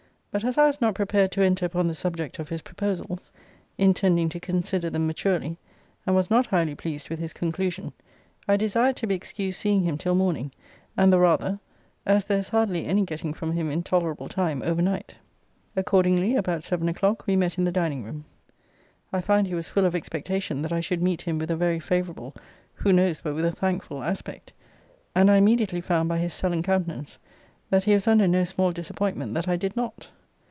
But as I was not prepared to enter upon the subject of his proposals, (intending to consider them maturely,) and was not highly pleased with his conclusion, I desired to be excused seeing him till morning; and the rather, as there is hardly any getting from him in tolerable time overnight. Accordingly, about seven o'clock we met in the dining room. I find he was full of expectation that I should meet him with a very favourable, who knows but with a thankful, aspect? and I immediately found by his sullen countenance, that he was under no small disappointment that I did not.